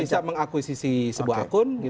bisa mengakuisisi sebuah akun